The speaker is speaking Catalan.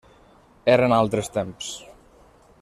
Eren altres temps.